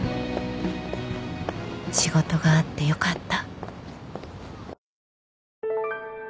仕事があってよかった